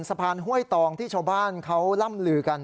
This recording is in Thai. ห้วยตองที่ชาวบ้านเขาล่ำลือกัน